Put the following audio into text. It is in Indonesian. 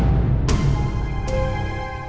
mengkenal tanpa memandresse